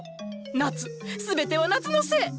夏全ては夏のせい！